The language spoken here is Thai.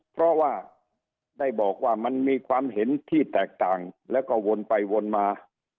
เพราะว่าได้บอกว่ามันมีความเห็นที่แตกต่างแล้วก็วนไปวนมา